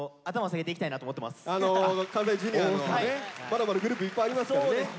まだまだグループいっぱいありますからね。